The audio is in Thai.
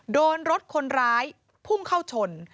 โดนรถคนร้ายพุ่งเข้าชน